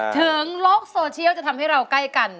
โลกโซเชียลจะทำให้เราใกล้กัน